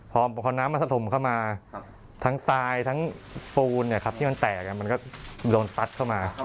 พอน้ำมาสะดมเข้ามาทั้งทายทั้งปูนเนี่ยครับที่มันแตกมันก็โดนสัดเข้ามา